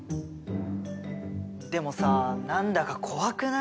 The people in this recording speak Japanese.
でもさあ何だか怖くない？